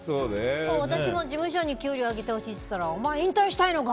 私も事務所に給料上げてほしいって言ったらお前引退したいのか？